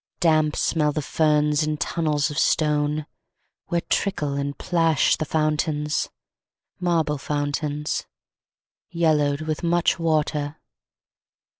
Damp smell the ferns in tunnels of stone, Where trickle and plash the fountains, Marble fountains, yellowed with much water.